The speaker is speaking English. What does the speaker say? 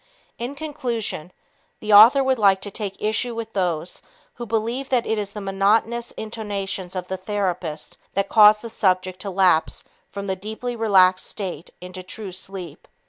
In conclusion, the author would like to take issue with those who believe that it is the monotonous intonations of the therapist that cause the subject to lapse from the deeply relaxed state into true sleep.